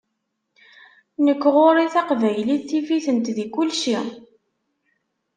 Nekk ɣur-i Taqbaylit tif-itent di kulci.